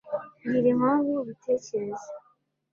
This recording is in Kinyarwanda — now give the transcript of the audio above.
mbwira impamvu ubitekereza